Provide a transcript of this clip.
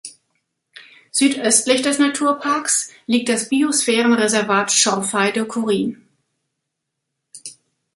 Südöstlich des Naturparks liegt das Biosphärenreservat Schorfheide-Chorin.